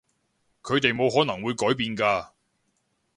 佢哋冇可能會改變㗎